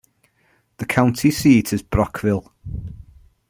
The county seat is Brockville.